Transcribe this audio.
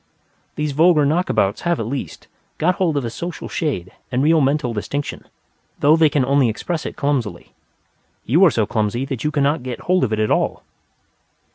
These vulgar knockabouts have, at least, got hold of a social shade and real mental distinction, though they can only express it clumsily. You are so clumsy that you cannot get hold of it at all.